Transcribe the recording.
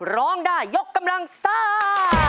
ร้องได้ยกกำลังซ่า